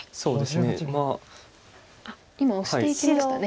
今オシていきましたね。